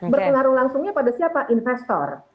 berpengaruh langsungnya pada siapa investor